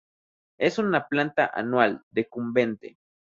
Es una planta anual; decumbente.